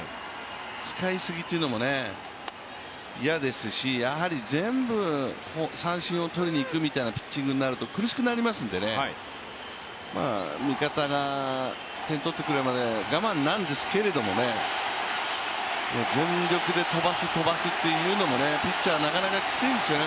使いすぎというのも嫌ですし、全部、三振を取りに行くみたいなピッチングになると苦しくなりますしね味方が点取ってくれるまで我慢なんですけれども全力で飛ばす、飛ばすというのもピッチャー、なかなかきついんですよね。